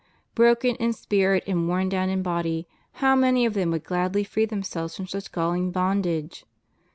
Broken in spirit and worn down in body, how many of them would gladly free themselves from such galling bondage!